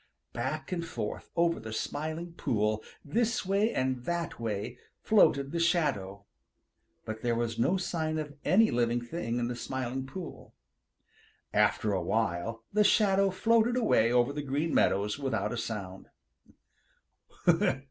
Back and forth over the Smiling Pool, this way and that way, floated the shadow, but there was no sign of any living thing in the Smiling Pool. After awhile the shadow floated away over the Green Meadows without a sound.